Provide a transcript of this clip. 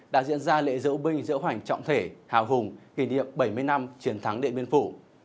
đã diễn ra lễ diễu binh diễu hoành trọng thể hào hùng kỷ niệm bảy mươi năm chiến thắng điện biên phủ